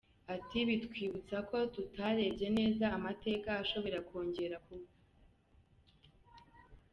Ati “Bitwibutsa ko tutarebye neza amateka ashobora kongera kuba.